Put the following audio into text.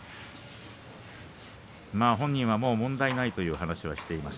本人は問題ないという話をしています。